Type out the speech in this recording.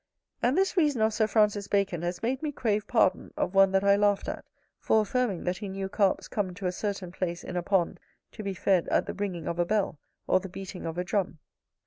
And this reason of Sir Francis Bacon has made me crave pardon of one that I laughed at for affirming that he knew Carps come to a certain place, in a pond, to be fed at the ringing of a bell or the beating of a drum.